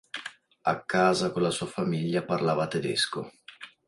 A casa con la sua famiglia parlava tedesco.